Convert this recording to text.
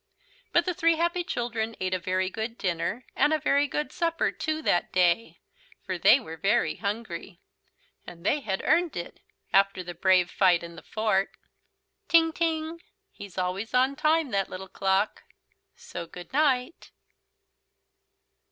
But the three happy children ate a very good dinner and a very good supper too, that day, for they were very hungry. And they had earned it after the brave fight in the fort. "Ting ting." He's always on time, that Little Clock. So Good night!